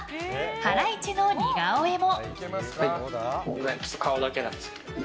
ハライチの似顔絵も。